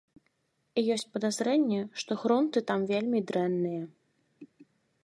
І ёсць падазрэнне, што грунты там вельмі дрэнныя.